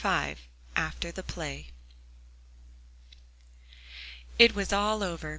V AFTER THE PLAY It was all over.